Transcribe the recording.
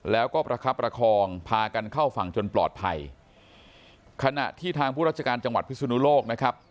แล้วก็ประคับประคองพากันเข้าฝั่งจนปลอดภัยขณะที่ทางผู้ราชการจังหวัดพิศนุโลกนะครับ